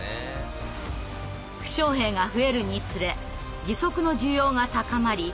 負傷兵が増えるにつれ義足の需要が高まり